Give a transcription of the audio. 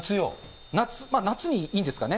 夏、夏にいいんですかね。